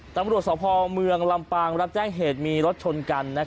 ตำรวจสภเมืองลำปางรับแจ้งเหตุมีรถชนกัน